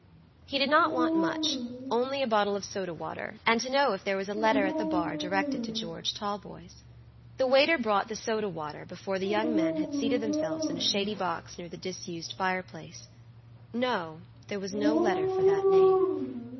He did not want muchonly a bottle of soda water, and to know if there was a letter at the bar directed to George Talboys. The waiter brought the soda water before the young men had seated themselves in a shady box near the disused fire place. No; there was no letter for that name.